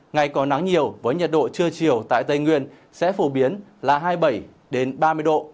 ngày có nắng nhiều với nhiệt độ trưa chiều tại tây nguyên sẽ phổ biến là hai mươi bảy ba mươi độ